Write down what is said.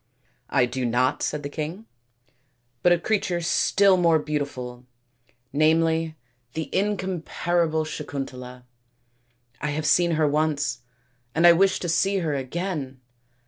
" I do not," said the king, " but a creature still more beautiful, namely the incomparable Sakuntala. I have seen her once, and I wish to see her again.